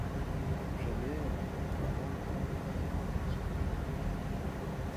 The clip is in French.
Jamais avantage plus grand n'a été offert à la jeunesse studieuse.